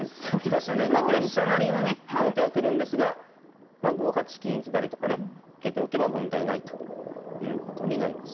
まあこれ飛車成りのね王手はくるんですがまあ５八金左とかね受けておけば問題ないということになります。